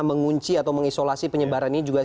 mengunci atau mengisolasi penyebaran ini juga